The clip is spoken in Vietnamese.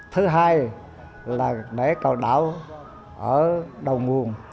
thứ hai là lễ cầu đảo ở đầu nguồn